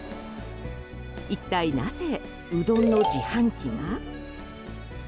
一体なぜ、うどんの自販機が？